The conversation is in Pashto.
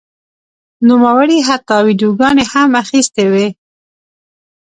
نوموړي حتی ویډیوګانې هم اخیستې وې.